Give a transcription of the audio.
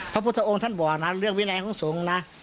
พระพุทธองค์ท่านบอกนะเรื่องวินัยของสงฆ์นะ